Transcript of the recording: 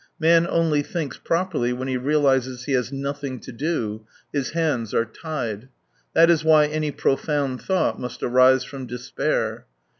Man only thinks properly when he realises he has nothing to do, his hands are tied. That is why any profound thought must arise from despair.